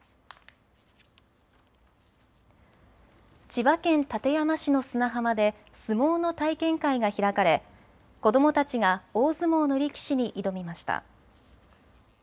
千葉県館山市の砂浜で相撲の体験会が開かれ子どもたちが大相撲の力士に挑みました。